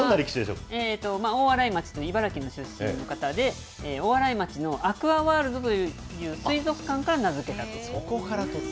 大洗町という茨城の出身の方で、大洗町のアクアワールドという、水族館から名付けたと。